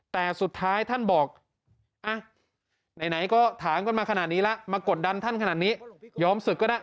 แต่สุดท้ายท่านบอก๑๕๐มาขนาดนี้ละมากดดันท่านขนาดนี้ยอมศึก